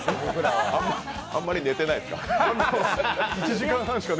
あんまり寝てないですか？